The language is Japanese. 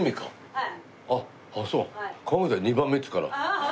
はい。